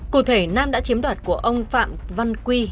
cụ thể nam đã chiếm đoạt của ông phạm văn quy